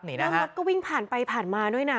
แล้วรถก็วิ่งผ่านไปผ่านมาด้วยนะ